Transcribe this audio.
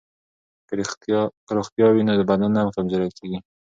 که روغتیا وي نو بدن نه کمزوری کیږي.